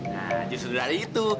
nah justru dari itu